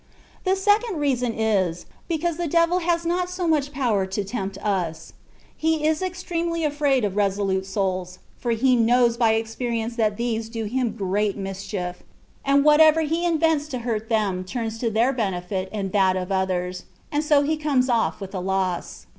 A second reason is, because the devil has not so much power to tempt us ; he is extremely afraid of resolute souls, for he knows by experience that these do him great mischief; and whatever he in *" Que no es delicado mi Dios." I 2 116 THE WAY OF PERFECTION. vents to hurt them turns to their benefit and that of others, and so he comes oflF with loss.